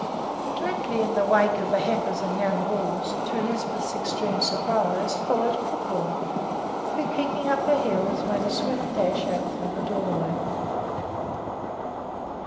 Directly in the wake of the heifers and young bulls, to Lisbeth's extreme surprise, followed Crookhorn, who, kicking up her heels, made a swift dash out through the doorway.